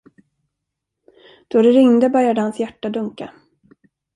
Då det ringde, började hans hjärta dunka.